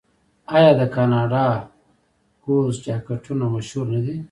آیا د کاناډا ګوز جاکټونه مشهور نه دي؟